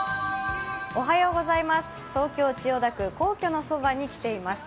東京・千代田区皇居のそばに来ています。